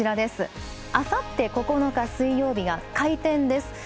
あさって９日水曜日が回転です。